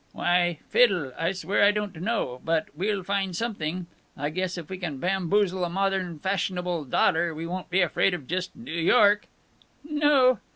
"Why, fiddle! I swear I don't know! But we'll find something. I guess if we can bamboozle a modern fash'nable daughter we won't be afraid of just New York." "No!"